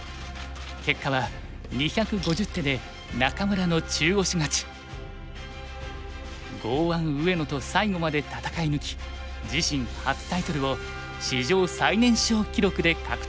結果は２５０手で剛腕上野と最後まで戦い抜き自身初タイトルを史上最年少記録で獲得した。